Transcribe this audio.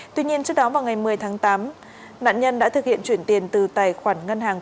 tuy nhiên trước đó vào ngày một mươi tháng tám nạn nhân đã thực hiện chuyển tiền từ tài khoản ngân hàng